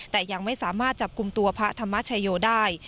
แต่ยังไม่สามารถจับกลุ่มตัวพระธรรมชโยได้